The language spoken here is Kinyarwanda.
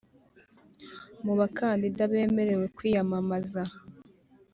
mu bakandida bemerewe kwiyamamaza